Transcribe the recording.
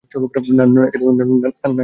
না চাইতেই যে দেখা পেলুম।